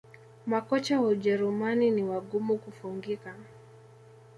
Makocha wa Ujerumani ni wagumu kufungika